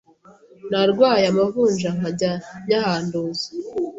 narwaye amavunja nkajya nyahanduza